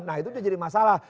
nah itu jadi masalah